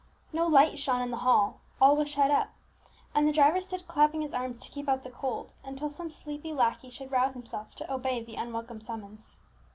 No light shone in the hall, all was shut up; and the driver stood clapping his arms to keep out the cold, until some sleepy lackey should rouse himself to obey the unwelcome summons.